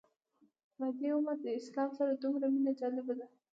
په دې عمر له اسلام سره دومره مینه جالبه ده.